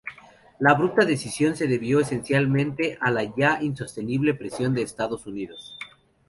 La abrupta decisión se debió esencialmente a la ya insostenible presión de Estados Unidos.